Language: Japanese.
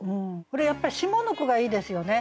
これやっぱり下の句がいいですよね。